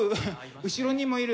後ろにもいる。